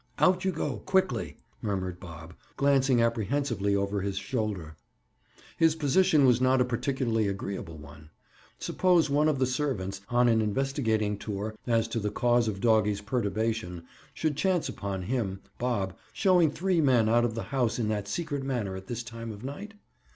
"Out you go quickly," murmured Bob, glancing apprehensively over his shoulder. His position was not a particularly agreeable one. Suppose one of the servants, on an investigating tour as to the cause of doggie's perturbation, should chance upon him (Bob) showing three men out of the house in that secret manner at this time of night?